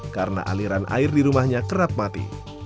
karena aliran air di rumahnya kerap mati